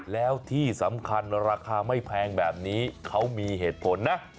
แล้วที่สำคัญราคาไม่แพงแบบนี้เขามีเหตุผลนะ